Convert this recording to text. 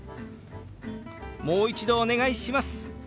「もう一度お願いします」。